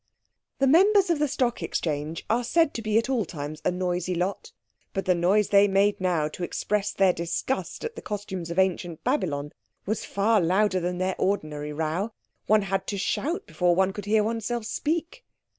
The Members of the Stock Exchange are said to be at all times a noisy lot. But the noise they made now to express their disgust at the costumes of ancient Babylon was far louder than their ordinary row. One had to shout before one could hear oneself speak.